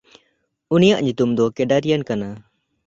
ᱩᱱᱤᱭᱟᱜ ᱧᱩᱛᱩᱢ ᱫᱚ ᱠᱮᱰᱟᱨᱤᱭᱟᱱ ᱠᱟᱱᱟ᱾